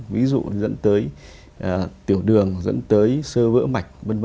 ví dụ dẫn tới tiểu đường dẫn tới sơ vỡ mạch v v